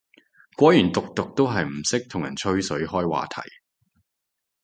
果然毒毒都係唔識同人吹水開話題